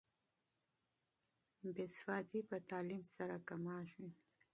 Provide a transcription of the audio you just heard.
بې سوادي په تعلیم سره کمیږي.